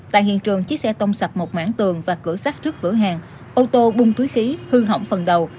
tại hiện trường chiếc xe tông sập một mảng tường và cửa sát trước cửa hàng ô tô bung túi khí hư hỏng phần đầu